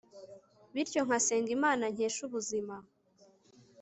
bityo ngasenga imana nkesha ubuzima